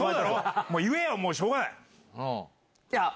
もう言えよ、もうしょうがないやぁ。